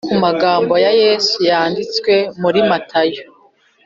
no ku magambo ya yesu yanditswe muri matayo